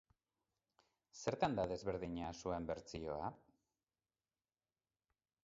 Zertan da desberdina zuen bertsioa?